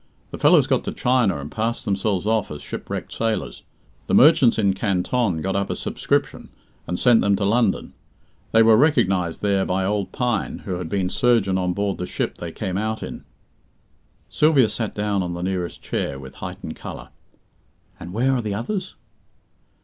The fellows got to China and passed themselves off as shipwrecked sailors. The merchants in Canton got up a subscription, and sent them to London. They were recognized there by old Pine, who had been surgeon on board the ship they came out in." Sylvia sat down on the nearest chair, with heightened colour. "And where are the others?"